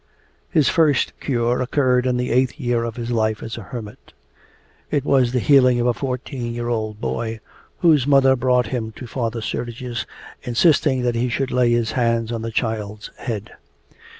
His first cure occurred in the eighth year of his life as a hermit. It was the healing of a fourteen year old boy, whose mother brought him to Father Sergius insisting that he should lay his hand on the child's head.